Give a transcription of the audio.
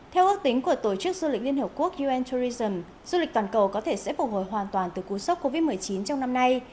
theo ước tính của tổ chức du lịch liên hợp quốc un tourisim du lịch toàn cầu có thể sẽ phục hồi hoàn toàn từ cú sốc covid một mươi chín trong năm nay